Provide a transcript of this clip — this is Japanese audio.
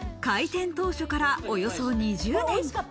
開店当初から、およそ２０年。